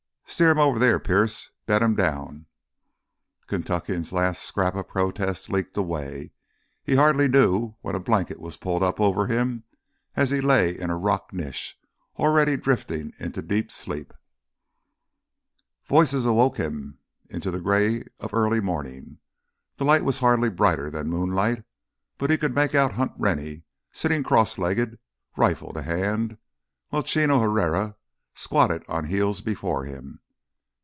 "Steer him over there, Perse ... bed him down." The Kentuckian's last scrap of protest leaked away. He hardly knew when a blanket was pulled up over him as he lay in a rock niche, already drifting into deep sleep. Voices awoke him into the gray of early morning. The light was hardly brighter than moonlight but he could make out Hunt Rennie, sitting cross legged, rifle to hand, while Chino Herrera squatted on his heels before him.